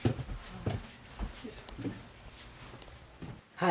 はい。